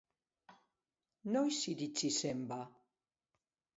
Noiz iritsi zen, ba?